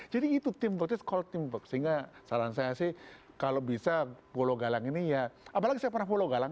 jadi itu teamwork it's called teamwork sehingga saran saya sih kalau bisa polo galang ini ya apalagi saya pernah follow galang